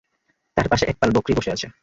তার পাশে একপাল বকরী বসে আছে।